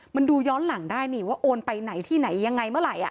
มันดูย้อนหลังได้นี่ว่าโอนไปไหนที่ไหนยังไงเมื่อไหร่